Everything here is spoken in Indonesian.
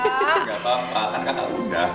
gak apa apa kakak udah